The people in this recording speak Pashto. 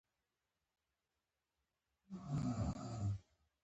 تر هغې هیڅ ځای ته نه شئ رسېدلی چې یې بدل نه کړئ.